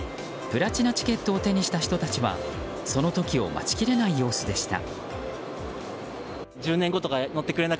プラチナチケットを手にした人たちはその時を待ちきれない様子でした。